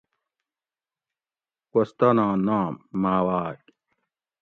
کوھستانا نام------- ماواۤک